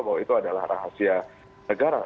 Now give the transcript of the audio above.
bahwa itu adalah rahasia negara